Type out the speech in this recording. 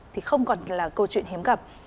thì không còn là câu chuyện hiếm gặp